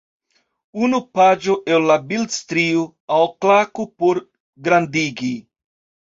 Unu paĝo el la bildstrio - alklaku por grandigi.